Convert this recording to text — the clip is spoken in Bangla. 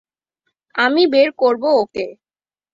আমি বের করবো ওকে।